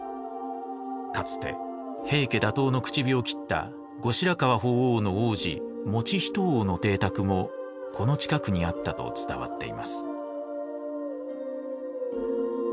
かつて平家打倒の口火を切った後白河法皇の皇子以仁王の邸宅もこの近くにあったと伝わっています。